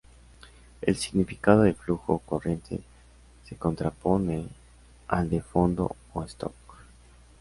El significado de flujo o corriente se contrapone al de fondo o stock.